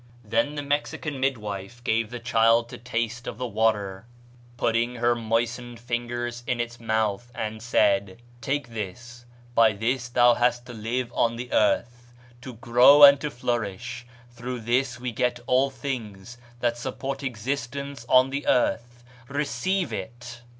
"Then the Mexican midwife gave the child to taste of the water, putting her moistened fingers in its mouth, and said, 'Take this; by this thou hast to live on the earth, to grow and to flourish; through this we get all things that support existence on the earth; receive it.'